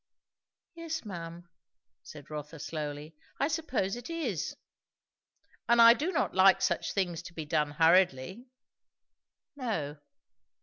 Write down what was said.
"Yes, ma'am," said Rotha slowly, "I suppose it is." "And I do not like such things to be done hurriedly." "No."